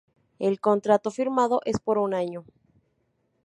El contrato firmado es por un año.